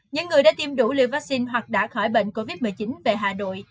những người đã tiêm đủ liều vaccine hoặc đã khỏi bệnh covid một mươi chín về hà nội